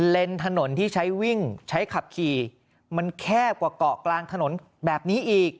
ถนนที่ใช้วิ่งใช้ขับขี่มันแคบกว่าเกาะกลางถนนแบบนี้อีก